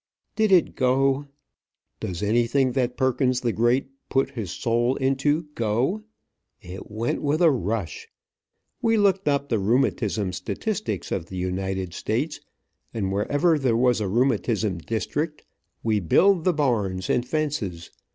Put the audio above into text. Did it go? Does anything that Perkins the Great puts his soul into go? It went with a rush. We looked up the rheumatism statistics of the United States, and, wherever there was a rheumatism district, we billed the barns and fences.